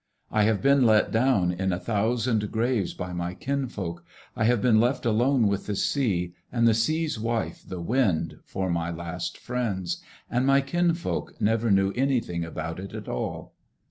I have been let down in a thousand g^ves by my kinf oik. I have been left alone with the sea and the sea's wife, the wind, for my last friends And my kinfolk never knew anything about it at all.